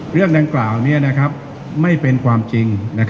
เรื่องดังกล่าวนี้ไม่เป็นความจริง